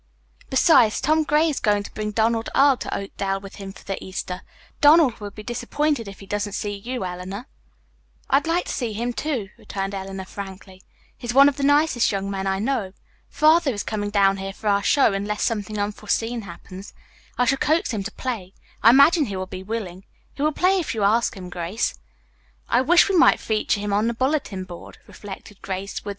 Besides, Tom Gray is going to bring Donald Earle to Oakdale with him for the Easter. Donald will be so disappointed if he doesn't see you, Eleanor." "I'd like to see him, too," returned Eleanor frankly. "He is one of the nicest young men I know. Father is coming down here for our show, unless something unforeseen happens. I shall coax him to play. I imagine he will be willing. He will play if you ask him, Grace."